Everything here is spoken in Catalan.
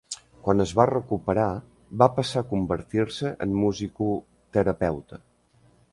Quan es va recuperar, va passar a convertir-se en musicoterapeuta.